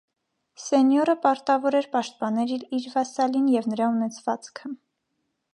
Սենյորը պարտավոր էր պաշտպանել իր վասալին և նրա ունեցվածքը։